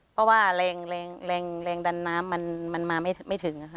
เพราะว่าแรงดันน้ำมันมาไม่ถึงนะคะ